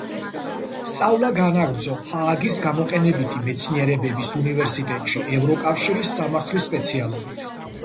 სწავლა განაგრძო ჰააგის გამოყენებითი მეცნიერებების უნივერსიტეტში ევროკავშირის სამართლის სპეციალობით.